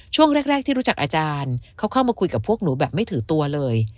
ช่วงแรกที่รู้จักอาจารย์เขาเข้ามาคุยกับพวกหนูแบบไม่ถือตัวเลย